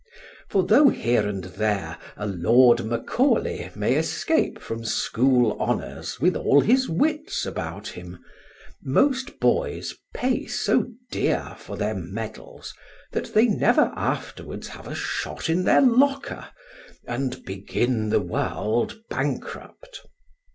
For though here and there a Lord Macaulay may escape from school honours with all his wits about him, most boys pay so dear for their medals that they never afterwards have a shot in their locker, "and begin the world bankrupt."